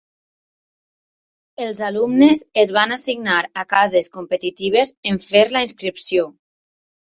Els alumnes es van assignar a cases competitives en fer la inscripció.